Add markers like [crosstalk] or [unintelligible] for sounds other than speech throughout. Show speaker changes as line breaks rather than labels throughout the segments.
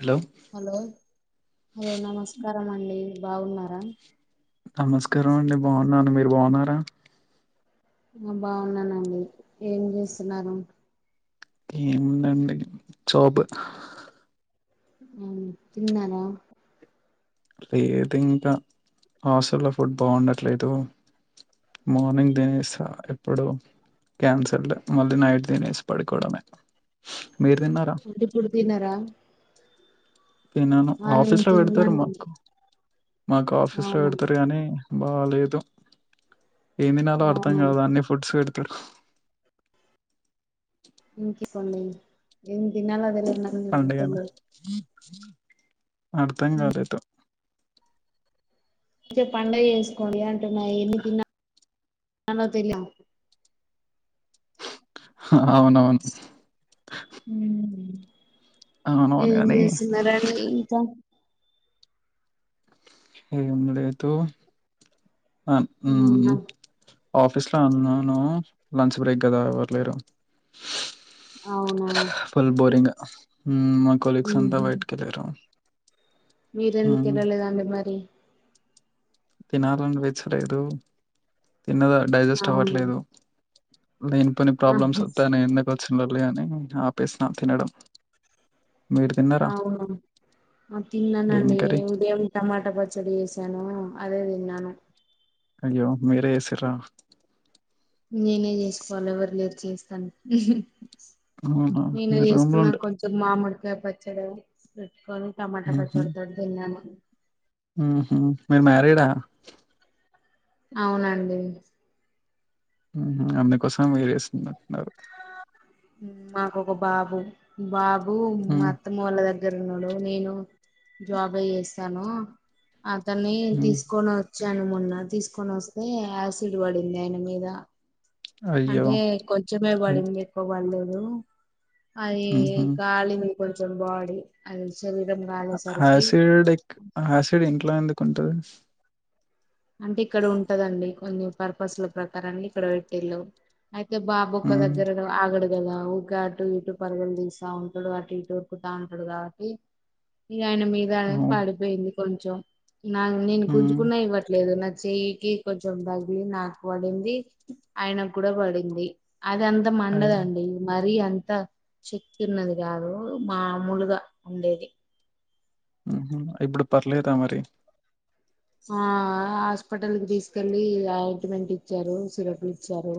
Hello
hello hello నమస్కారం అండి బాగున్నారా
నమస్కారం అండి బాగున్నాను మీరు బాగున్నారా
ఆ బావున్నానండి ఏం చేస్తున్నారు
ఏముందండి జోబ్
ఉమ్ తిన్నారా
లేదు ఇంకా హాస్టల్ లో ఫుడ్ బాగుండట్లేదు మార్నింగ్ తినేసా ఇప్పుడు క్యాన్సెల్లెడ్ మళ్లీ నైట్ తినేసి పడుకోవడమే మీరు తిన్నారా
అంటే ఇప్పుడు తినరా
అవునవును ఆఫీస్ లో పెడతారు
తిన్నానండి
మాకు మాకు ఆఫీస్ లో
అవునా
పెడతారు గానీ బాలేేదు ఏం తినలో అర్థం
అవునా
కాదా అన్ని ఫుడ్స్ పెడుత్ తారు
ఇనికి పనులు ఏమితినాలో నాకు తెలియడం
పండుగనే
లేదు
అర్థం కాలేదు
అంటే పడుగ చేేసుకోండి అంటున్నా ఎన్ని తిన్నా మళ్ళ తినలేం
అవునవును
మ్మ్.
అవునవును
ఏం
కానీ
చేస్తున్నారండి
ఏం లేదు ఆ ఉహ్మ్
మ్మ్.
ఆఫీస్లో అనున్నాను లంచ్ బ్రేక్ కదా ఎవ్వరులేరు
అవునా
హా ఫుల్ బోరింగ్ ఉమ్ మా కొలిగస్ అంతా బయటకి వెళ్ళారు
మీర ఎందుకు వెళ్ళలేదండి మరి
తినాలని పిన్చ్చలేదు తిన్నదా డైజెస్ట్
అవును
అవ్వట్లేదు లేనిపోని ప్రాబ్లమ్స్
ఆహా
వస్తాయని ఎందుకు వచ్చిదిలే అని ఆపేసిన తినడం మీరు
ఆ
తిన్నారా
అవును
ఏం
తిన్నానండి
కర్రీ
ఉదయం టమాటా పచ్చడి చేసాను అదే తిన్నాను
అయ్యో మీరే చేసిర్ల
నేనే చేసుకోవాల ఎవరు లేరు చేస్తాను హు హూ
అవునా
నేను
మీరు రూమ్ లో
చేసుకున్నా
ఉండే
కొంచెం మామిడికాయ పచ్చడ ఉదయం టమోటా పచ్చడితో తిన్నాను
ఉహ్మ్ హు మీరు మ్యారీడ్ ఆ
అవునండి
ఉమ్ హు అందుకోసం మీరే చేసుకుంటునట్టునారు
మాకు ఒక బాబు బాబు మా
మ్మ్
అత్తమ్మ వాళ్ళ దగ్గర దగ్గర ఉన్నాడు నేను జాబ్ అ చేేస్తాను అతన్ని
మ్మ్
తీసుకొని కొచ్చాను మొన్న తీసుకొని వస్తే యాసిడ్ పడింది ఆయన మీద
అయ్యో
అంటే కొంచమే
ఓకే
పడింది ఎక్కువ పడలేదు అది
మ్హూ
గాలిని కొంచెం బాడీ అది శరీరం కాలేసరికి
హాసిడ్ ఎ ఆసిడ్ ఇంట్లో ఎందుకు ఉంటది
అంటే ఇక్కడ ఉంటదండి కొన్ని పర్పస్ల ప్రకారన్ని ఇక్కడ పెట్టిళు అయితే బాబు ఒక
మ్మ్
దగ్గర ఆగడు ఊరిక అటు ఇటు పరగులు తీస్తా ఉంటాడు అటు ఇటు ఊక్కుతా ఉంటాడు కాబట్టి ఆయన మీద
అవును
పడిపోయింది కొంచెం నా నేను
మ్మ్
గుంజుకున్నా ఇవ లేదు నా చెయ్యికి కొంచెం తగిలి నాకు పడింది ఆయనకు కూడ పడింది అది అంత
అయ్
మండదండి మరీ అ అంత శక్తి ఉన్నది కాదు మా ముూలుగా ఉండేది
ఇప్పుడు పర్లేదా మరి
ఆ హాస్పిటల్ కి తీసుకెల్లి అపాయింట్మెంట్ ఇచ్చారు సిరప్లు ఇచ్చారు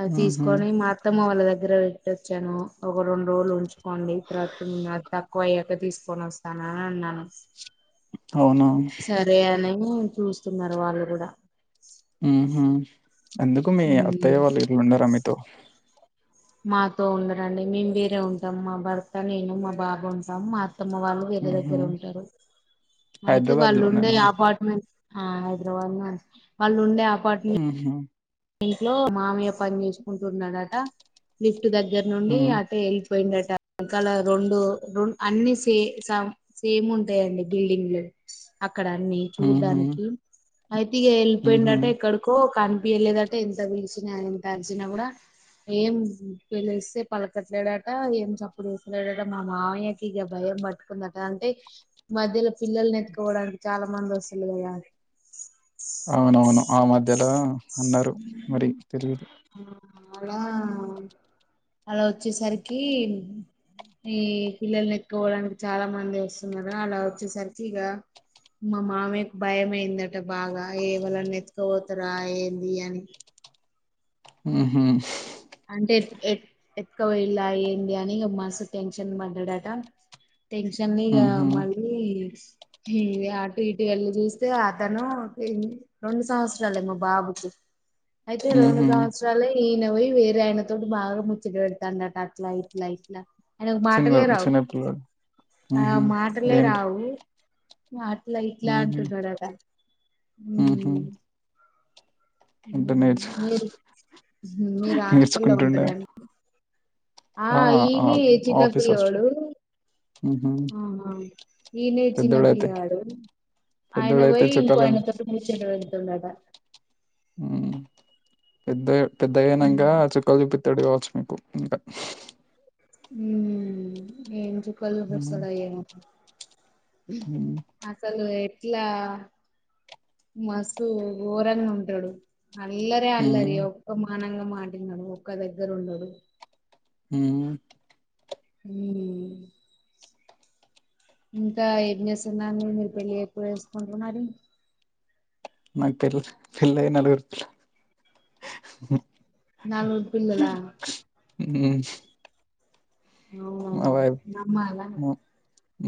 అది
ఉహు
తీసుకొని మ అత్త దగ్గర పెట్టోచ్చాను ఒక రెండు రోజులు ఉంచుకోండి తర్వాత తక్కువ అయ్యాక తీసుకోని వ సన ఉన్నాను
అవున
చూస్తున్నారు వాళ్ళు గుడ
ఉహు అందుకు మీ
ఉమ్
అత్తయ్య వాళ్ళు ఇట్లు ఉండర మీతో
మాతో ఉండరండి మేము వేరే ఉంటాం మా భర్త నేను మా బాబు ఉంటాం మా మ్మ వాళ్ళు వేరే
ఉహు
దగ్గర ఉంటారు అయితే
హైదరాబాద్
వాళ్ళు ఉండే
లోనేనా?
అపార్ట్మెంట్ హైదరాబాద్ ను వాళ్ళు ఉండే అపార్ట్మెంట్
ఉహు
ఇంట్లో మామయ్య పని చేసుకుంటున్నాడట లిఫ్ట్ దగ్గర నుండి
ఉహు
అటే పోయిండట ఇంక రెండు రెం అన్ని సే సేమ్ ఉంటాయిండి బిల్డింగ్లు అ అక్కడ అన్ని
ఉహు
చూడ్డానికి అయితే ఇక
ఉహు
వెళ్ళిపోయిండట ఎక్కడికో కనిపి అ ఎంత పిలిచిన ఎంత అరిచిన కూడ ఏం పళ్లిస్తే పలకట్లేడట ఏం చప్పుడు వేసలేడట మా మామయ్యకి ఇగ భయం పట్టుకున్నట అంటే మధ్యలో పిల్లల్ని ఎత్తుకోవడానికి చాల మంది [unintelligible]
అవునవును ఆ మధ్యలో అన్నారు మరి తెలియదు
అలా అలా వచ్చేసరికి ఈ పిల్లల్ని ఎతుకోవడానికి చాలా మంది వస్తున్నారు అలా వచ్చేసరికి ఇగ మా మామయ్యకు భయం అయిందట బాగ ఏవళన ఎతుకపోతార ఏంది అని
ఉహు
[unintelligible] మస్తు టెన్షన్ పడ్డాడట టెన్షన్ ఇగా
ఉహు
మళ్ళీ ఇది అటు ఇటు వెళ్ళ చూస్తే అతను రెండు సంవత్సరాలే మా బాబుకి అయితే రెండు
ఉహు
సంవత్సరాలు ఈన పోయి అయనతోటి బాగా ముచ్చట పెడతాంటట అట్ల ఇట్లా [unintelligible] ఆయనకు మాటలే
చిన్నోడు
రావు
చిన్నపిల్లోడు
ఆ
ఉహు
మాటలే
ఏంటి
రావు అట్ల ఇట్ల
ఉహు
అంటున్నారట
ఉహు అంటే నేర్చు
మీరు మీరు హాస్టల్లో
నేర్చుకుంటుండే
[unintelligible] ఆ ఈనే
ఆఫీస్ హాస్టల్
చిన్నపిల్లోడు
ఉహు
ఆహా ఈనే చిన్న
పెద్దోడైతే
పిల్లాడు ఆయన
పెద్దోడైతే
పోయి ఇంకో
చుక్కలు
ఆయన
కనిపి
తటి ముచ్చట పెడుతున్నడట
పెద్ద పెద్దగైనంక
ఉమ్
చుక్కలు చూపి [unintelligible] కావచ్చు మీకు ఇంక
ఉమ్ ఏం జు ట్వెల్కి
హ్మ్
వస్తాడా ఏమో
హ్మ్
అసలు ఎట్ ఇట్లా మస్తు గోరంగా ఉంటాడు అల్లరే అల్లరి
హ్మ్
ఒక్క మానంగా మాట వినడు ఒక్క దగ్గర ఉండడు
ఉ
ఉ ఇంకా ఏం చేస్తున్నారు మీర్ మీరు పెళ్ళి ఎప్పుడు చేసుకుంటున్నారు.
నాకు తెలదు పెళ్ళై నలుగురు పిల్లలు
నలుగురు పిల్లలా
ఉ ఉ స్
అవునా నమ్మలా
మా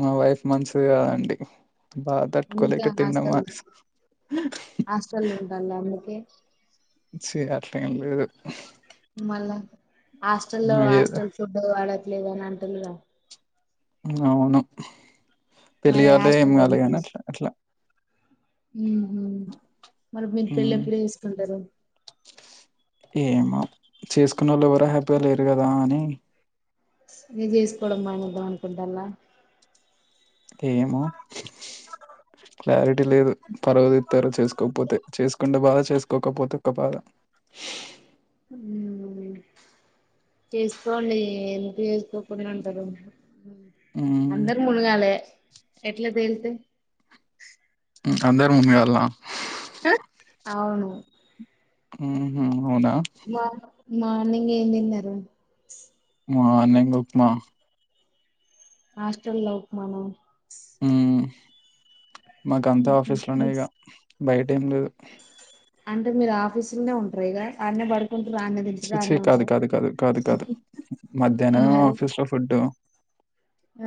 మా వైఫ్ మంచిది కాదండి బాద్
అందుకే
తట్కోలేక తిండం
హాస్టల్
మానేసింది
హాస్టల్ ఉంటాల [inaudible]
ఛీ అట్లాలేమ్ లేదు
మళ్ళా హాస్టల్లో
ఏదో
హాస్టల్ ఫుడ్ బే వాడట్లేదని అంటున్నారా.
ఉ అవును
మరి
పెళ్లియాలే ఏం
హాస్టల్లో
కాలే కానీ
ఉంటుంది
అట్లా అట్లా
ఉహు మరి మీరు పెళ్ళి
హ్మ్
ఎప్పుడు చేస్కుంటారు
ఏమో చేసుకున్నోళ్లు ఎవరు హ్యాపీగా లేరు కదా అని.
మీరు చేసుకోవడం మానిద్దాం అనుకుంటుల్లా
ఏమో క్లారిటీ లేదు పరువు తిత్తారు చేసుకోకపోతే చేసుకుంటే బాధ చేసుకోకపోతే ఒక బాధ.
ఉ చేసుకోండి ఎందుకు చేసుకోకుండా ఉంటారు
హ్మ్
అందరు ములగాల్లే ఎట్లా తేల్తాయ్
ఇంకా అందరు ఉమ్మేయాల్నా [inaudible]
అవును
ఉహు అవునా
మా మార్నింగ్ ఏం తిన్నారు
మార్నింగ్ ఉప్మా
హాస్టల్లో ఉప్మానా
ఉ మాకంతా ఆఫీస్లోనే ఇక బయటేమ్ లేదు
అంటే మీరు ఆఫీస్లోనే ఉంటారా ఇగా అన్నే పడు అన్నే
ఛీ!
తింటారు
ఛీ!
అన్నే
కాదు,
ఉంట్రు
కాదు, కాదు, కాదు,
హా
కాదు.
హా
మధ్యాహ్నమే
మరి
ఆఫీస్‌లో ఫుడ్డు.
ఆ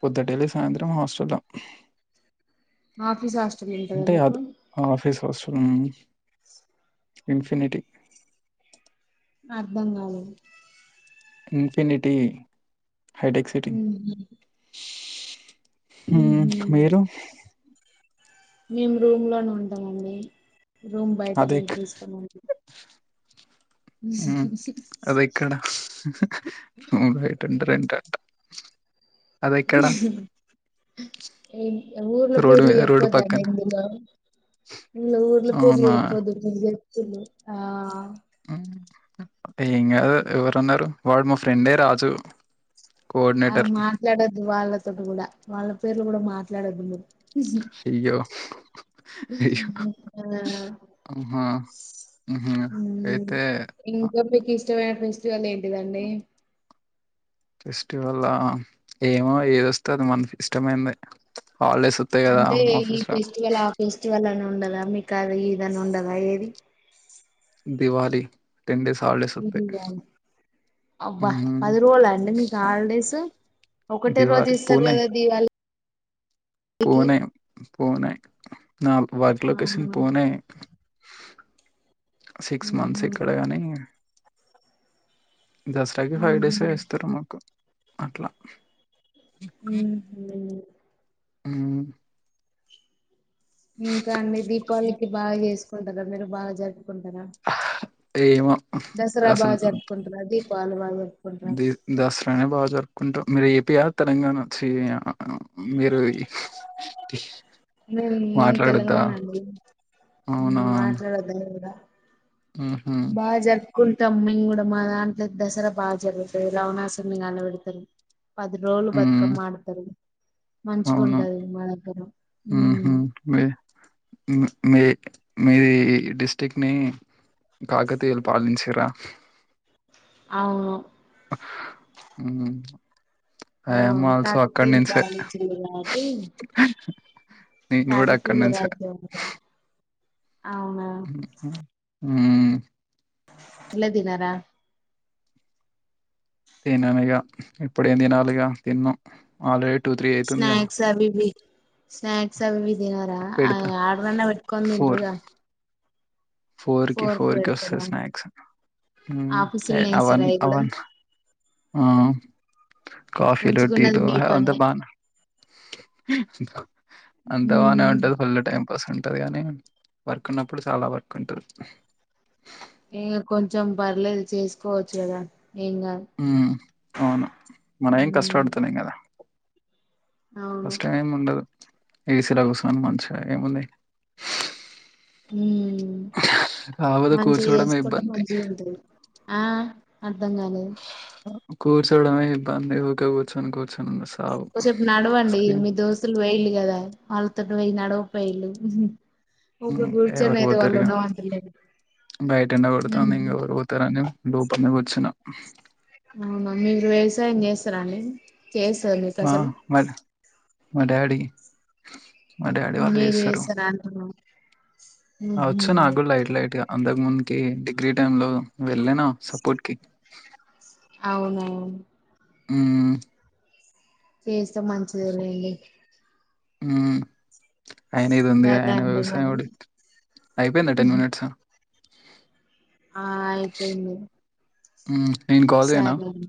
పొద్దుటేల్లీ సాయంత్రం హాస్ట్రల్లా
ఆఫీస్ హస్
ఉంటే కాదు ఆఫీస్ వసున్న ఇన్ఫీనిటీ
అర్ధం కాలేదు
ఇన్ఫినిటీ హైటెక్ సిటీ.
ఉమ్ హ
హు మీరు
మేము రూమ్లోనే ఉంటామండి రూమ్ బయట
అదెక్
రెంట్ తీసుకొని
ఉమ్ అదేక్కడా రైట్ అంట రెంట్ అంట అదేక్కడా
ఏ ఊర్ల పేర్లు
మీద రోడ్డు
చెప్పోదండీ
పక్కన.
ఇందులో ఇన్లా ఊర్ల పేర్ల
అవునా!
చెప్పొద్దు తీసేత్తుళ్లు ఆ
ఏం కాదు ఎవరన్నారు వాడు మా ఫ్రెండే రాజు
అ
కోఆర్డినేటర్
మాట్లాడొద్దు వాళ్ళతోటి కూడా వాళ్ళ పేర్లు కూడా మాట్లాడొద్దు ఉహుం
[inaudible] అయ్యో
ఉహుం ఆ
ఆహా ఉహు
ఉమ్
అయితే
ఇంకా మీకు ఇష్టమైన ఫెస్టివల్ ఏంటిదండి
ఫెస్టివల్ ఆ ఏమో ఏదొస్తే అది మనకి ఇష్టమైందే
అంటే ఈ ఫెస్టివల్ ఆ ఫెస్టివల్ అని ఉండదా మీకు అది ఇదని ఉండదా ఏది
దివాలీ టెన్ డేస్ హాల్డేస్
ఇది
అత్తాయ్
కాదు అబ్బా
ఉహుం
పది రోజుల అండి మీకు హాలిడేస్ ఒకటే రోజు ఇస్తారు కదా దీవాలి
పూణే పూణే నా వర్క్
ఆ
లొకేషన్ పూణే
[inaudible]
సిక్స్ మంత్స్
మ్మ్
ఇక్కడగాని దసరాకి ఫైవ్ డేసే
ఊహు
ఇస్తరు మాకు అట్లా
ఉమ్హు
ఉమ్
ఇంకా అండి దీపావళికి బాగా చేసుకుంటారా? మీరు బాగా జరుపుకుంటారా?
ఏమో
దసరా
అసలు
బాగా జరుపుకుంటారా దీపావళి బాగా జరుపుకుంటారా
ది దసరనే బాగా జరుప్ కుంటాం మీరు ఏపియా తెలంగాణ చి ఆ మీరు
మేము మేం
మాట్లాడద్దా
తెలంగాణ అండి
అవునా
మాట్లాడొద్దు అని తెలీదా
ఉహు
బాగా జరుప్ కుంటాం మీమ్ కూడా మా దాంట్లో దసరా బాగా జరుగుతుంది రావణాసుణ్ణి కాల పెడతారు. పది రోజులు
ఉమ్
బతుకమ్మ ఆడుతరు మంచిగా
అవును
ఉంటది మా దగ్గర ఉమ్
ఉమ్ మీ మీది డిస్ట్రిక్ట్ ని కాకతీయులు పాలించిర్రా?
అవును
హా ఉమ్
ఆ
ఐ ఆమ్ ఆల్సో అక్కడ
కాకతీయులు
నుంచే
పాలించిండ్రు కాబట్టి
నేను కూడా అక్కడి
కాకతీయుల
నుంచే
రాజ్యం అంటున్నా. అవునా
ఉమ్
ఇల దినరా
తిననుగా ఇప్పుడేం తినాలిగా తిన్ను ఆల్రెడీ టూ త్రీ అయితుందిగా
స్నాక్స్ అవిఇవి స్నాక్స్ అవివి తినరా ఆ
పెడతా
ఆడ్రనా పెట్కొని
ఫోర్
తింట్రుగా
ఫోర్ కి ఫోర్ కి వస్తది స్నాక్స్ ఉమ్ ఏ
ఆఫీసుల్నే ఇస్తారు
అవన్
అవి కూడా
అవన్ ఆ కాఫీలు
మంచిగున్నది
టీలు
మీ
ఆ అంత
పనే
బానే అంత బానే ఉంటది ఫుల్ల్ టైం బస్ ఉంటది గాని వర్క్ ఉన్నప్పుడు చాలా వర్క్ ఉంటది
ఇం కొంచెం పర్లేదు చేసుకోవచ్చు కదా ఏం కాదు
ఉ అవును మన ఏం
ఉమ్
కష్టపడుతుంది కదా
అవును
కష్టమేం ఉండదు ఏ సి లో గుచ్చొని మంచిగా ఏముంది
ఉ
కాకపోతే
మంచిగా
కూర్చోవడమే
చేసుకుంటే
ఇబ్బంది.
మంచిగా ఉంటది ఆ అర్ధం కాలేదు
కూర్చోడమే ఇబ్బంది ఊక కూర్చొని కూర్చుని
కొసపు నడవండి మీ దోస్తులు పోయరూ కదా వాళ్ళ అ పోయి నడవ పోయిళ్లు ఇప్పు
హ్మ్ ఎవరు
కూర్చొనేది
పోతారు
వాళ్ళు
ఇగ
ఉన్నవని లేదు
బయట ఎండ కొడుతాంది ఇంకెవరు పోతారని లోపలనే కూర్చున్నా
అవునా మీరు వ్యవసాయం చేస్తారండి చేస్తారు మీకు
మా
అసలు
మా మా డాడీ మా డాడీ వాళ్ళు
మీరు
చేస్తారు
చేస్తారా అంటున్నా ఉహు
వచ్చు నాకు కూడా లైట్ లైట్ గా అంతకు ముందుకి డిగ్రీ టైం లో వెళ్ళను సపోర్ట్ కి
అవునా
హ్మ్మ్
చేస్తే మంచిది లేండి
ఊ ఆయన ఇది ఉంది
సరే
ఆయన
అండి
వ్యవసాయం
మరి
ఒకడి అయిపోయిందా టెన్ మినిట్స్
ఆ అయిపోయింది
ఊ
సరే అండి